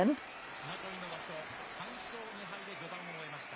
綱取りの場所、３勝２敗で序盤を終えました。